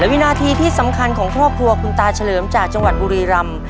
วินาทีที่สำคัญของครอบครัวคุณตาเฉลิมจากจังหวัดบุรีรำ